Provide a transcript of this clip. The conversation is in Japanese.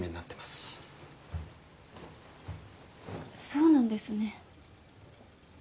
そうなんですね。